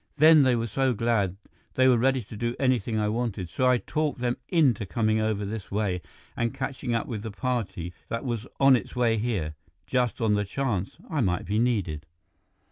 "Then they were so glad, they were ready to do anything I wanted, so I talked them into coming over this way and catching up with the party that was on its way here, just on the chance I might be needed.